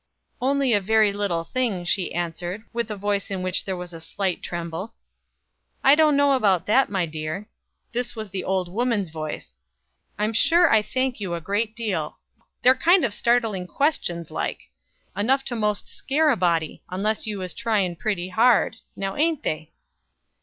"Only a very little thing," she answered, with a voice in which there was a slight tremble. "I don't know about that, my dear." This was the old woman's voice. "I'm sure I thank you a great deal. They're kind of startling questions like; enough to most scare a body, unless you was trying pretty hard, now ain't they?"